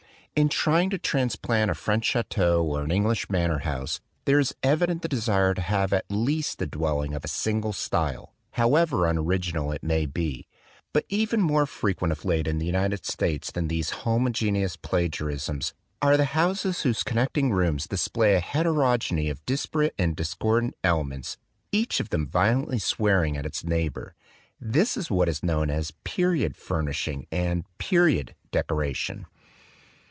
In trying to transplant a French chateau or an English manor house, there is evident the desire to have at least a ing of a single style, however unoriginal it 47 THE DWELLING OF A DAY DREAM may be; but even more frequent of late in the United States than these homogeneous plagia risms are the houses whose connecting rooms display a heterogeny of disparate and discordant elements each of them violently swearing at its neighbor. This is what is known as "period" furnishing and " period" decoration.